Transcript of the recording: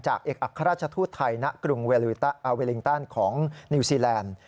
เอกอัครราชทูตไทยณกรุงอาเวลิงตันของนิวซีแลนด์